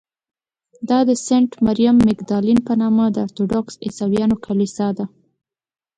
دا د سینټ مریم مګدالین په نامه د ارټوډکس عیسویانو کلیسا ده.